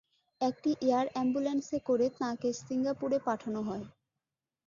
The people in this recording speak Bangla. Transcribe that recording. একটি এয়ার অ্যাম্বুলেন্সে করে তাঁকে সিঙ্গাপুরে পাঠানো হয়।